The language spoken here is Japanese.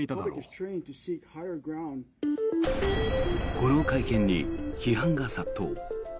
この会見に批判が殺到。